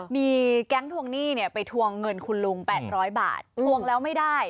มีแก๊งทวงหนี้ไปทวงเงินคุณลุง๘๐๐บาททวงแล้วไม่ได้